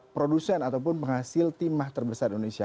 produsen ataupun penghasil timah terbesar indonesia